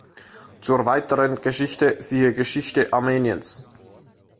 Zur weiteren Geschichte siehe Geschichte Armeniens.